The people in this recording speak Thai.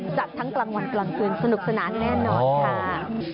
จัดทั้งกลางวันกลางคืนสนุกสนานแน่นอนค่ะ